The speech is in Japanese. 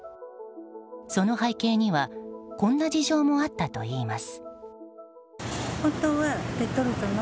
その背景にはこんな事情もあったといいます。